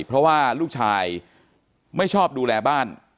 เพราะว่าลูกชายไม่ชอบดูแลบ้าน